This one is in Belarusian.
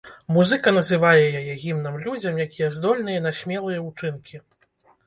Музыка называе яе гімнам людзям, якія здольныя на смелыя ўчынкі.